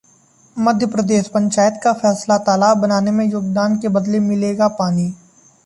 मध्य प्रदेश: पंचायत का फैसला, तालाब बनाने में योगदान के बदले मिलेगा पानी